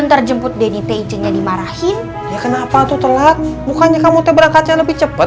ntar jemput denny tehnya dimarahin kenapa tuh telat bukannya kamu tebrang kacang lebih cepet